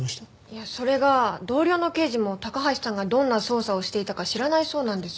いやそれが同僚の刑事も高橋さんがどんな捜査をしていたか知らないそうなんです。